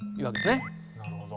なるほど。